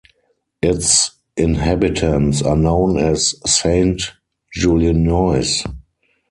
Its inhabitants are known as Saint-Juliennois.